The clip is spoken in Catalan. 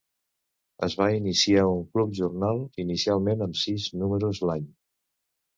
Es va iniciar un Club Journal, inicialment amb sis números l'any.